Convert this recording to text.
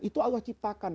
itu allah ciptaan